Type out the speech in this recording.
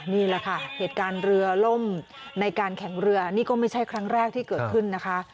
นี่แหละค่ะเหตุการณ์เรือล่มในการแข่งเรือนี่ก็ไม่ใช่ครั้งแรกที่เกิดขึ้นนะคะ